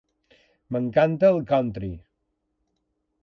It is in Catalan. M'encanta el country!